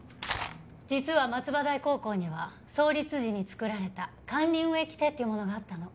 実は松葉台高校には創立時に作られた管理運営規定というものがあったの。